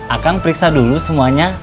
a kang periksa dulu semuanya